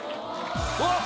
うわっ！